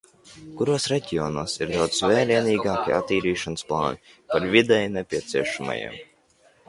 Kuros reģionos ir daudz vērienīgāki attīrīšanas plāni par vidēji nepieciešamajiem?